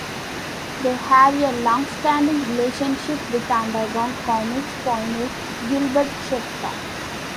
They have a long-standing relationship with underground comix pioneer Gilbert Shelton.